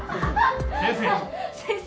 先生。